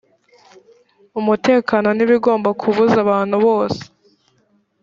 umutekano ntibigomba kubuza abantu bose